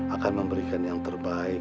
akan memberikan yang terbaik